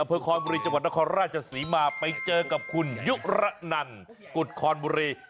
อำเภอคอนบุรีจังหวัดนครราชศรีมาไปเจอกับคุณยุระนันกุฎคอนบุรี